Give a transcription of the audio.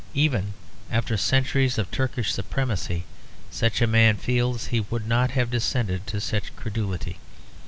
Even after centuries of Turkish supremacy, such a man feels, he would not have descended to such a credulity.